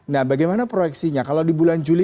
nah bagaimana proyeksinya kalau di bulan juli